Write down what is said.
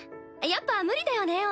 やっぱ無理だよね